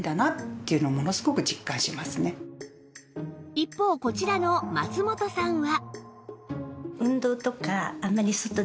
一方こちらの松本さんは